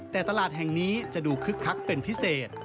แต่ตลาดแห่งนี้จะดูคึกคักเป็นพิเศษ